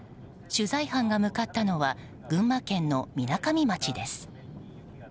取材班が向かったのは群馬県のみなかみ町です。